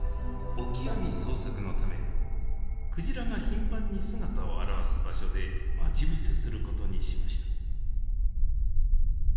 オキアミ捜索のためクジラが頻繁に姿を現す場所で待ち伏せする事にしました。